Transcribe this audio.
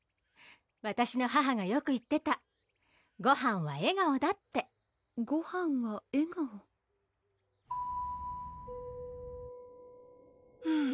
わたしの母がよく言ってたごはんは笑顔だってごはんは笑顔うん